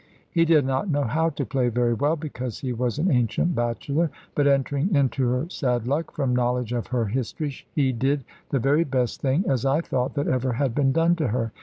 He did not know how to play very well, because he was an ancient bachelor; but entering into her sad luck, from knowledge of her history, he did the very best thing (as I thought) that ever had been done to her.